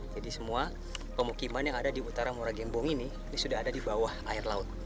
jadi semua pemukiman yang ada di utara muragengbong ini sudah ada di bawah air laut